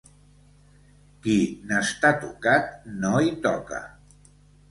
Qui n'està tocat no hi toca.